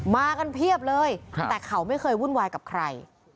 มากันเพียบเลยแต่เขาไม่เคยวุ่นวายกับใคร